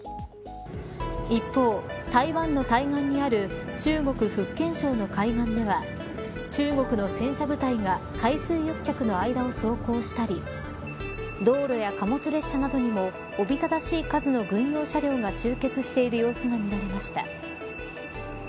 一方、台湾の対岸にある中国、福建省の海岸では中国の戦車部隊が海水浴客の間を走行したり道路や貨物列車などにもおびただしい数の軍用車両が集結している様子が見られました。